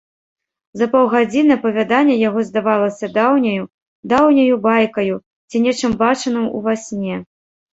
За паўгадзіны апавяданне яго здавалася даўняю, даўняю байкаю ці нечым бачаным ува сне.